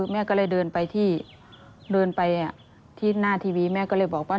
แม่ก็เลยเดินไปที่หน้าทีวีแม่ก็เลยบอกว่า